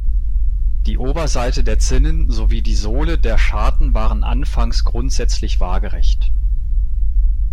Die Oberseite der Zinnen sowie die Sohle der Scharten waren anfangs grundsätzlich waagerecht.